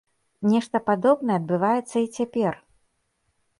Нешта падобнае адбываецца і цяпер.